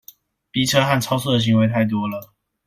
逼車和超速的行為太多了